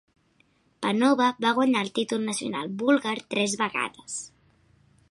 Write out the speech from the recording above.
Panova va guanyar el títol nacional búlgar tres vegades.